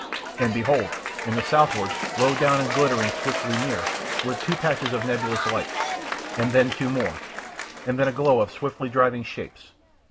And behold! In the southward, low down and glittering swiftly nearer, were two little patches of nebulous light. And then two more, and then a glow of swiftly driving shapes.